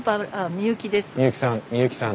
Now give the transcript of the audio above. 美幸さん。